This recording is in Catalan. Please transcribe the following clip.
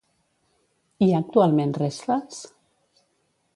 Hi ha actualment restes?